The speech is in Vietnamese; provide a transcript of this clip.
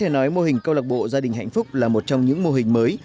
nói mô hình câu lạc bộ gia đình hạnh phúc là một trong những mô hình mới